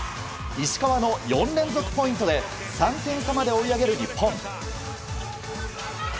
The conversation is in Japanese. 石川の４連続ポイントで３点差まで追い上げる日本。